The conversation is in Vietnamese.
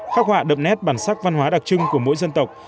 khắc họa đậm nét bản sắc văn hóa đặc trưng của mỗi dân tộc